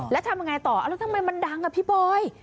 แล้วทำยังไงต่อแล้วทำไมมันดังอ่ะพี่บอย